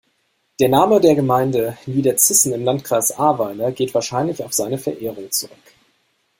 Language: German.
Der Name der Gemeinde Niederzissen im Landkreis Ahrweiler geht wahrscheinlich auf seine Verehrung zurück.